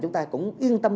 chúng ta cũng yên tâm